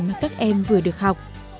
mà các em vừa được học